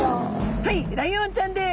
はいライオンちゃんです。